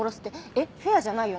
えっフェアじゃないよね？